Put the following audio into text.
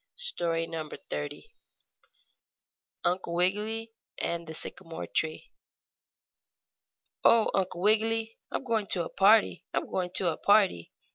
STORY XXX UNCLE WIGGILY AND THE SYCAMORE TREE "Oh, Uncle Wiggily, I'm going to a party! I'm going to a party!"